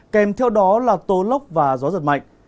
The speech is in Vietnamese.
kèm theo đó là tố lốc và gió giật mạnh